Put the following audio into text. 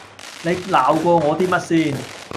你鬧過我啲乜先